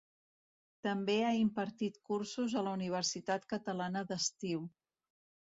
També ha impartit cursos a la Universitat Catalana d'Estiu.